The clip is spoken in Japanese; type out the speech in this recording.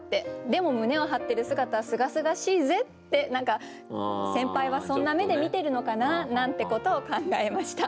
でも胸を張ってる姿はすがすがしいぜって何か先輩はそんな目で見てるのかななんてことを考えました。